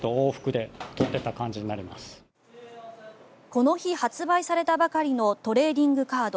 この日、発売されたばかりのトレーディングカード